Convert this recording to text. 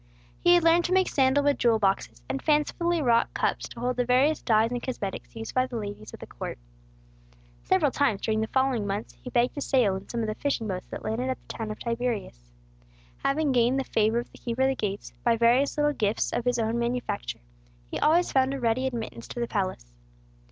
He had learned to make sandal wood jewel boxes, and fancifully wrought cups to hold the various dyes and cosmetics used by the ladies of the court. Several times, during the following months, he begged a sail in some of the fishing boats that landed at the town of Tiberias. Having gained the favor of the keeper of the gates, by various little gifts of his own manufacture, he always found a ready admittance to the palace.